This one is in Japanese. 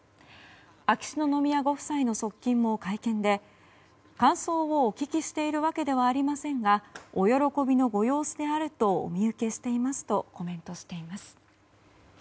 秋篠宮ご夫妻の側近も会見で感想をお聞きしているわけではありませんがお喜びのご様子であるとお見受けしていますとコメントしています。